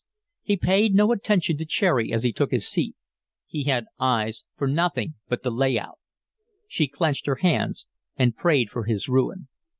He paid no attention to Cherry as he took his seat. He had eyes for nothing but the "lay out." She clenched her hands and prayed for his ruin.